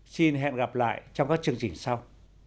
xin hẹn gặp lại trong các chương trình sau